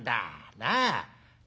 なあ。